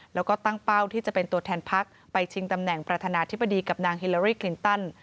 แล้วก็ตั้งเป้าที่จะเป็นตัวแทนพักไปชิงตำแหน่งประธานาธิบดีกับนางฮิลารี่คลินตัน